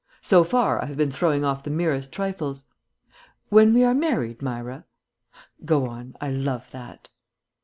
So far I have been throwing off the merest trifles. When we are married, Myra " "Go on; I love that."